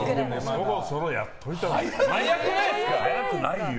そろそろやっといたほうがいいですよ。